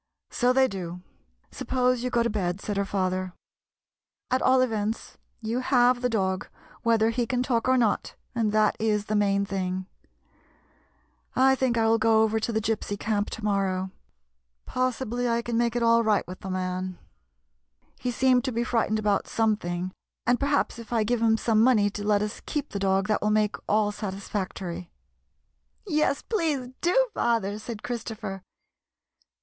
" So they do. Suppose you go to bed," said her father. "At all events, you have the dog, whether he can talk or not, and that is the main thing. I think I will go over to the Gypsy camp to morrow. Possibly I can make it all 65 tv GYPSY, THE TALKING DOG right with the man. He seemed to be frightened about something, and perhaps if I give him some money to let us keep the dog that will make all satisfactory." "Yes, please, do, father/' said Christopher.